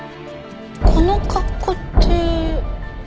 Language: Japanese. この格好って。